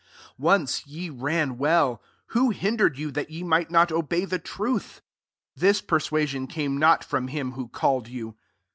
7 Once ye ran well : who hindered you that ye might not obey the truth ? 8 This persua sion came not from him who called you.